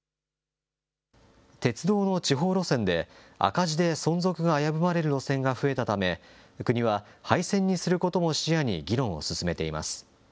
鉄道の地方路線で、赤字で存続が危ぶまれる路線が増えたため、国は、廃線にすることも視野に議論を進めています。